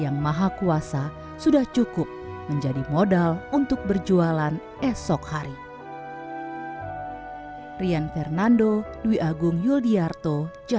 yang maha kuasa sudah cukup menjadi modal untuk berjualan esok hari rian fernando dwi agung yuldiarto